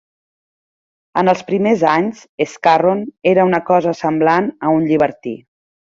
En els primers anys, Scarron era una cosa semblant a un llibertí.